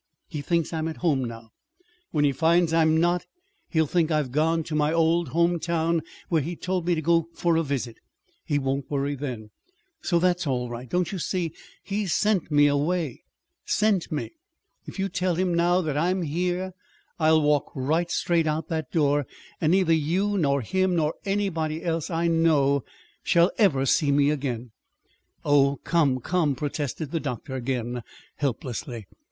He thinks I'm at home now. When he finds I'm not, he'll think I've gone to my old home town where he told me to go for a visit. He won't worry then. So that's all right. Don't you see? He's sent me away sent me. If you tell him now that I am here, I will walk right straight out of that door, and neither you nor him nor anybody else I know shall ever see me again." "Oh, come, come," protested the doctor, again helplessly.